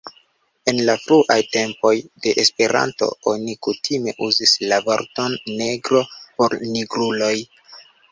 En la fruaj tempoj de Esperanto, oni kutime uzis la vorton negro por nigruloj.